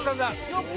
よっ！